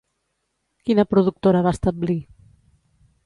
Quina productora va establir?